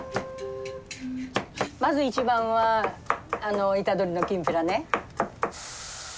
まず一番はイタドリのきんぴらね。